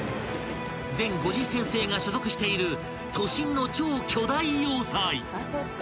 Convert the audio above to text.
［全５０編成が所属している都心の超巨大要塞］